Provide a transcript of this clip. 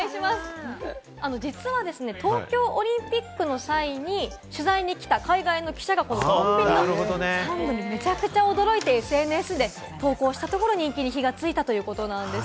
実は東京オリンピックの際に取材に来た海外の記者が、このコンビニのサンドにめちゃくちゃ驚いて、ＳＮＳで投稿したところ、人気に火がついたということです。